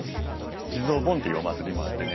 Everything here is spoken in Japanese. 地蔵盆っていうお祭りもあってね